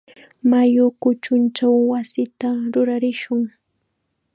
Mayu kuchunchaw wasita rurarishun.